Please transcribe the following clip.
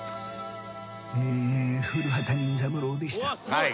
「古畑任三郎でした」